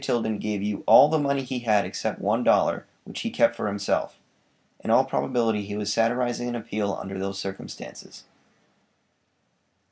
Tilden gave you ALL THE MONEY HE HAD EXCEPT ONE DOLLAR, WHICH HE KEPT FOR HIMSELF." In all probability he was satirizing an appeal under those circumstances.